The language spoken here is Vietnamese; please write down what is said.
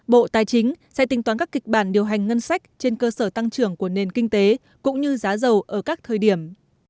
bộ tài chính sẽ tinh toán các kịch bản điều hành ngân sách trên cơ sở tăng trưởng của nền kinh tế cũng như giá dầu ở các thời điểm